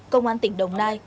công an tỉnh đồng nai